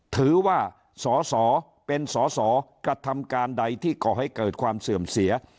ถือว่าสอสอเป็นสอสอกระทำการใดที่ก่อให้เกิดความเสื่อมเสีย